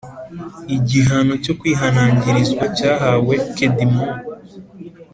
Igihano cyo kwihanangirizwa Cyahawe Kedmon .